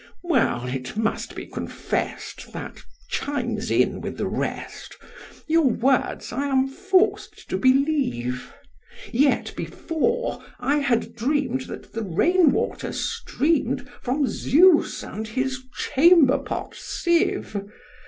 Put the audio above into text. Well, it must be confessed, that chimes in with the rest: your words I am forced to believe. Yet before I had dreamed that the rain water streamed from Zeus and his chamber pot sieve.